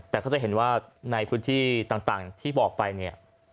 แต่ก็จะเห็นว่าในพื้นที่ต่างที่บอกไปเนี่ย